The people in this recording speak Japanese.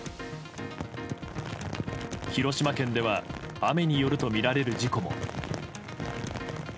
広島県では雨によるとみられる事故も。